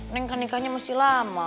neng kan nikahnya masih lama